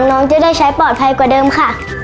น้องจะได้ใช้ปลอดภัยกว่าเดิมค่ะ